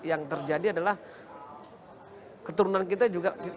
yang terjadi adalah keturunan kita juga